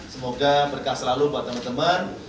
semoga berkah selalu buat teman teman